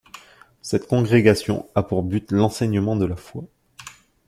Cette congrégation a pour but l'enseignement de la foi.